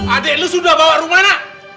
adik lu sudah bawa rumana